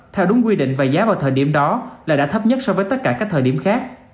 theo đúng quy định và giá vào thời điểm đó là đã thấp nhất so với tất cả các thời điểm khác